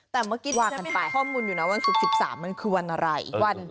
แต่เมื่อกี้จะไม่หาข้อมูลอยู่นะว่า๑๓มันคือวันอะไร